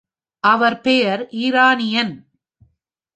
அவன் பெயர் ஈரானியன்.